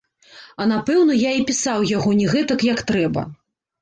А напэўна я і пісаў яго не гэтак, як трэба.